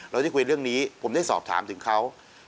ได้คุยเรื่องนี้ผมได้สอบถามถึงเขา